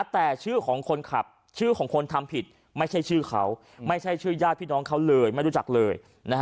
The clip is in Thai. แต่ชื่อของคนขับชื่อของคนทำผิดไม่ใช่ชื่อเขาไม่ใช่ชื่อญาติพี่น้องเขาเลยไม่รู้จักเลย